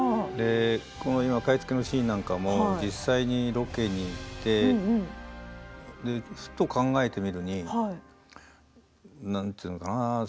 この買い付けのシーンなんかも実際にロケに行ってふと考えてみるに何て言うのかな